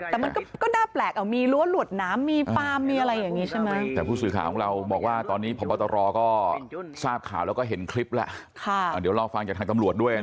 แต่มันก็น่าแปลกเอ้ามีล้วนหลวดน้ำมีปาม